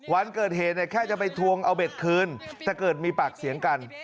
วันเกิดเหตุเนี่ยแค่จะไปทวงเอาเบ็ดคืนแต่เกิดมีปากเสียงกัน